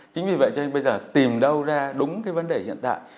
chính vì vậy cho nên bây giờ tìm đâu ra đúng cái vấn đề hiện tại